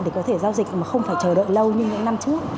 để có thể giao dịch mà không phải chờ đợi lâu như những năm trước